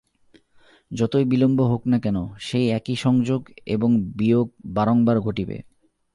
যতই বিলম্ব হউক না কেন, সেই একই সংযোগ এবং বিয়োগ বারংবার ঘটিবে।